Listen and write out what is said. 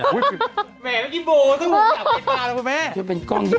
นึกว่ากล้องยิบ